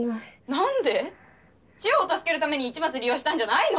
なんで⁉チヨを助けるために市松利用したんじゃないの？